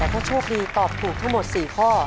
และถ้าช่วงดีตอบถูกทั้งหมด๔ข้อ